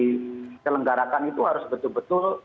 di telenggarakan itu harus betul betul